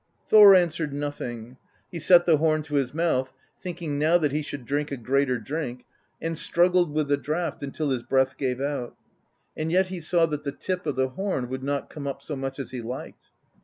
Thor answered nothing; he set the horn to his mouth, thinking now that he should drink a greater drink, and struggled with the draught until his breath gave out; and yet he saw that the tip of the horn would not come up so much as he liked.